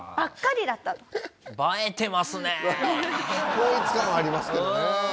統一感ありますけどね。